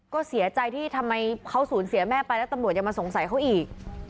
ก็เสียใจที่ทำไมเขาสูญเสียแม่ไปแล้วตำรวจยังมาสงสัยเขาอีก